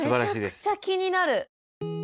めちゃくちゃ気になる。